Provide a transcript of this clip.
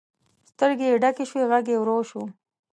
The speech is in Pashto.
سترګې یې ډکې شوې، غږ یې ورو شو.